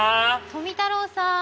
富太郎さん。